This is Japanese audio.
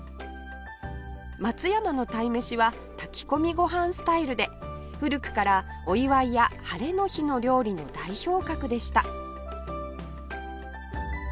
松山の鯛めしは炊き込みご飯スタイルで古くからお祝いや晴れの日の料理の代表格でした